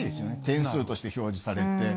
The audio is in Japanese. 点数として表示されて。